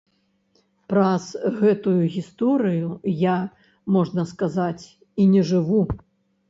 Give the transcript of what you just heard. Праз гэтую гісторыю я, можна сказаць, і не жыву.